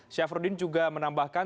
syafruddin juga menambahkan